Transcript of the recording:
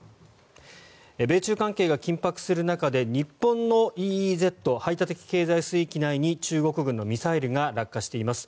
米中関係が緊迫する中で日本のＥＥＺ・排他的経済水域内に中国軍のミサイルが落下しています。